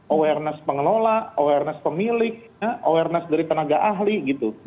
awareness pengelola awareness pemilik awareness dari tenaga ahli gitu